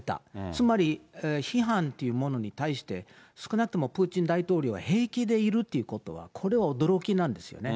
つまり批判っていうものに対して、少なくともプーチン大統領は平気でいるってことは、これは驚きなんですよね。